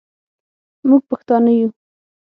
موږ پښتانه یو